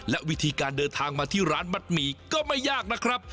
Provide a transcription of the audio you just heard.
และวิธีการเดินทางมาที่ร้านมัดหมี่ก็ไม่ยากนะครับ